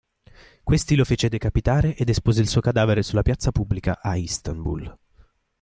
Questi lo fece decapitare ed espose il suo cadavere sulla piazza pubblica a Istanbul.